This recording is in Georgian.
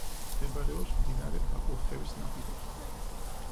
მდებარეობს მდინარე ბაკურხევის ნაპირებზე.